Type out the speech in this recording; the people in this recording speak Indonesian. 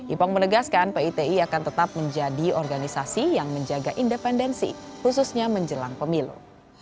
ipong menegaskan piti akan tetap menjadi organisasi yang menjaga independensi khususnya menjelang pemilu